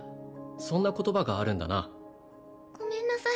そんな言葉があるんだなごめんなさい